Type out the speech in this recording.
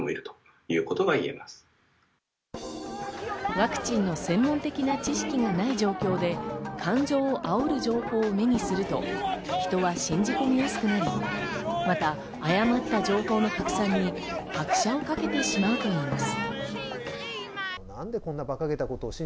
ワクチンの専門的な知識がない状況で感情をあおる情報を目にすると、人は信じ込みやすくなり、また、誤った情報が拡散に拍車をかけてしまうといいます。